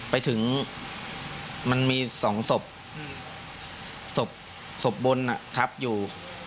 ไปถึงมันมี๒ศพศพบนทับอยู่